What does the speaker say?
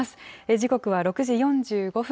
時刻は６時４５分。